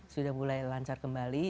sudah mulai lancar kembali